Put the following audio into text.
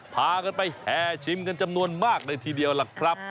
พากันไปแห่ชิมกันจำนวนมากเลยทีเดียวล่ะครับ